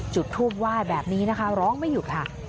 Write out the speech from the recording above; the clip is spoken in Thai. จุดทูปไหว้แบบนี้นะคะร้องไม่หยุดค่ะ